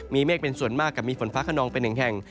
มีเมฆเป็นส่วนมากกับมีฝนฟ้าขนองเป็นหนึ่งแห่ง